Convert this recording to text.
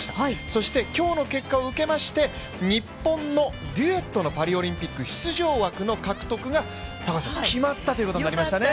そして今日の結果を受けまして日本のデュエットのパリオリンピック出場枠の獲得が決まったということになりました。